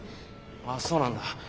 ああそうなんだ。